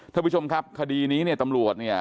ท่านผู้ชมครับคดีนี้เนี่ยตำรวจเนี่ย